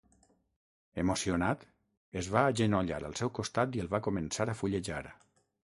Emocionat, es va agenollar al seu costat i el va començar a fullejar.